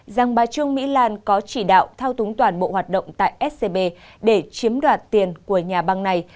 rằng bà trương mỹ lan có chỉ đạo thao túng toàn bộ hoạt động tại scb để chiếm đoạt tiền của nhà băng này